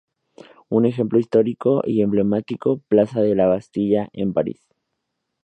Un ejemplo histórico y emblemático: Plaza de la Bastilla en París.